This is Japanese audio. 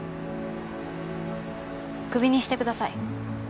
クビにしてください。